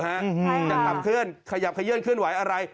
ยังทำขึ้นขยับเขยื้อนขึ้นไหวอะไร